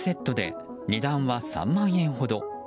２冊セットで値段は３万円ほど。